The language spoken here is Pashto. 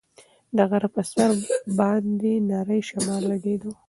د غره په سر باندې نری شمال لګېده.